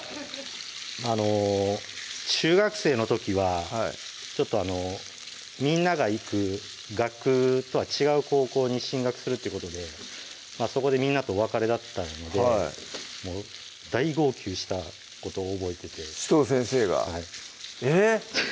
あの中学生の時はちょっとあのみんなが行く学区とは違う高校に進学するってことでそこでみんなとお別れだったので大号泣したこと覚えてて紫藤先生が？えっ？